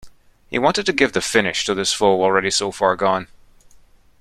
He wanted to give the finish to this foe already so far gone.